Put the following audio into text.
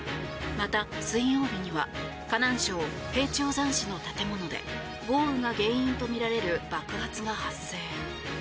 また、水曜日には河南省平頂山市の建物で豪雨が原因とみられる爆発が発生。